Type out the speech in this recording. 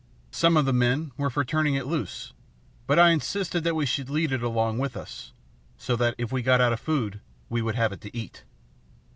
Some of the men were for turning it loose, but I insisted that we should lead it along with us, so that, if we got out of food, we would have it to eat.